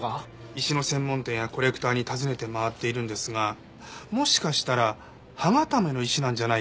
石の専門店やコレクターに尋ねて回っているんですがもしかしたら歯固めの石なんじゃないかって言われまして。